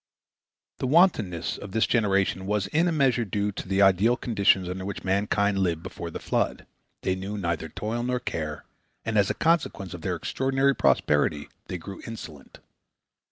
The wantonness of this generation was in a measure due to the ideal conditions under which mankind lived before the flood. They knew neither toil nor care, and as a consequence of their extraordinary prosperity they grew insolent.